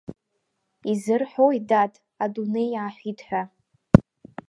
Изырҳәои, дад, адунеи ааҳәит ҳәа?